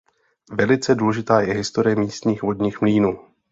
Velice důležitá je historie místních vodních mlýnů.